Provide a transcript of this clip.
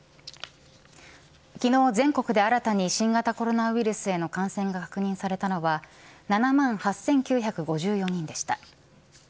昨日、全国で新たに新型コロナウイルスへの感染が確認されたのは７万８９５４人でした。